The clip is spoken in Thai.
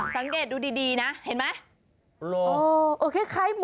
สังเกตดูดีนะเห็นไหม